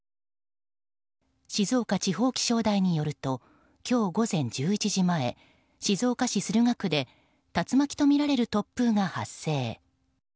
静岡気象予報台によると今日午前１１時前静岡市駿河区で竜巻とみられる突風が発生。